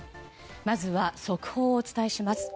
まずは、速報をお伝えします。